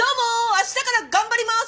あしたから頑張ります！